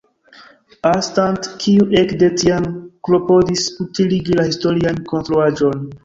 Arnstadt" kiu ekde tiam klopodis utiligi la historian konstruaĵon.